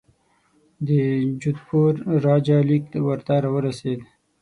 د جودپور راجا لیک ورته را ورسېد.